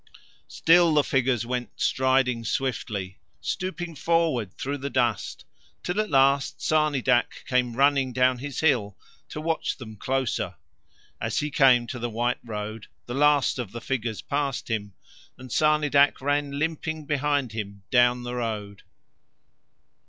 Still the figures went striding swiftly, stooping forward through the dust, till at last Sarnidac came running down his hill to watch them closer. As he came to the white road the last of the figures passed him, and Sarnidac ran limping behind him down the road.